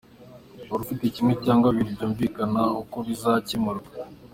Urufite kimwe cyangwa bibiri, bumvikana uko bizakemurwa.